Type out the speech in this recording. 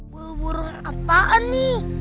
burung burung apaan nih